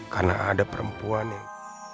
karena ada perempuan yang